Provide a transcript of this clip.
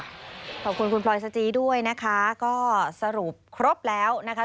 ขอบคุณคุณพลอยสจีด้วยนะคะก็สรุปครบแล้วนะคะ